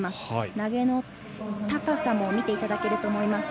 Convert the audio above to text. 投げの高さも見ていただけると思います。